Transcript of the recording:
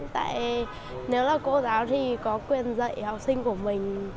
tại nếu là cô giáo thì có quyền dạy học sinh của mình